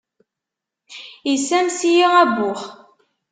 Issames-iyi abux.